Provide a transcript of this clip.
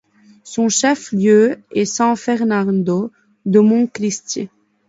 Son chef-lieu est San Fernando de Monte Cristi.